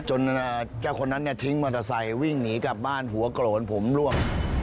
เจ้าคนนั้นทิ้งมอเตอร์ไซค์วิ่งหนีกลับบ้านหัวโกรนผมร่วง